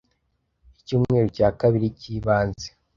Icyumweru cya kabiri kibanze